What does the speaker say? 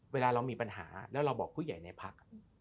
เวลาเรามีปัญหาแล้วเราบอกผู้ใหญ่ในพัก